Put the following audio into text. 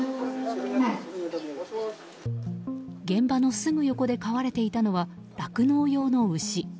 現場のすぐ横で飼われていたのは酪農用の牛。